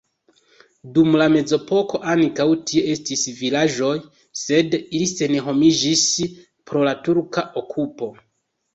Dum la mezepoko ankaŭ tie estis vilaĝoj, sed ili senhomiĝis pro la turka okupo.